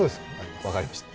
分かりました。